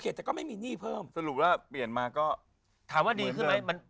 ถามว่าดีขึ้นไหม